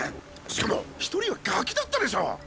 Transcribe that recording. しかも一人はガキだったでしょ。